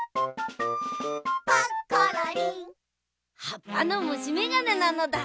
はっぱのむしめがねなのだ。